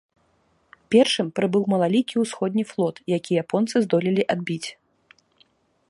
Першым прыбыў малалікі ўсходні флот, які японцы здолелі адбіць.